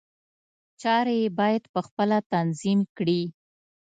چارې یې باید په خپله تنظیم کړي.